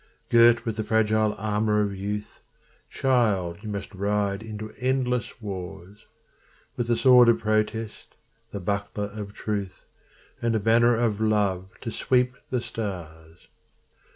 Girt with the fragile armor of Youth, Child, you must ride into endless wars, With the sword of protest, the buckler of truth, And a banner of love to sweep the stars.